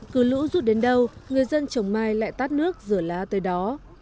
cứ lũ rút đến đâu người dân chồng mai lại tắt nước rửa lá tới đó